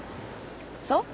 そう？